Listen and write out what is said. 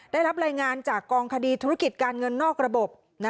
ได้รับรายงานจากกองคดีธุรกิจการเงินนอกระบบ